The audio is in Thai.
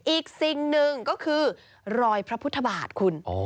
อีกสิ่งหนึ่งก็คือรอยพระพุทธบาทคุณ